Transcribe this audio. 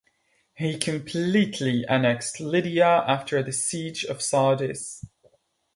He completely annexed Lydia after the Siege of Sardis.